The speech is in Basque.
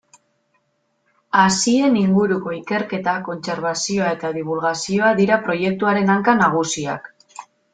Hazien inguruko ikerketa, kontserbazioa eta dibulgazioa dira proiektuaren hanka nagusiak.